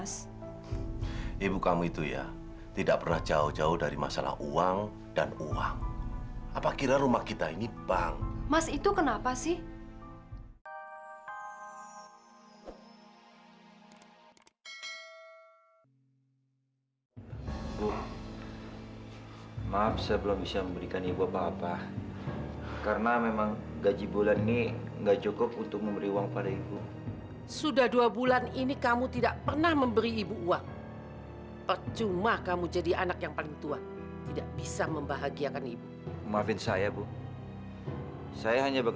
sampai jumpa di video selanjutnya